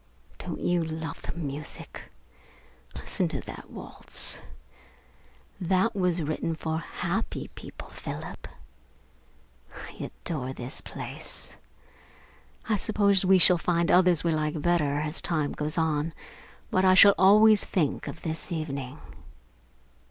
Don't you love the music? Listen to that waltz. That was written for happy people, Philip. I adore this place. I suppose we shall find others that we like better, as time goes on, but I shall always think of this evening.